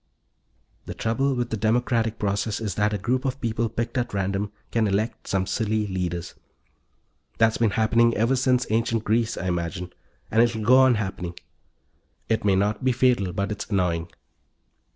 The trouble with the democratic process is that a group of people picked at random can elect some silly leaders. That's been happening ever since ancient Greece, I imagine, and it'll go on happening. It may not be fatal, but it's annoying.